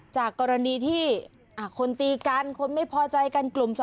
จากกรณีที่คนตีกันคนไม่พอใจกันกลุ่ม๒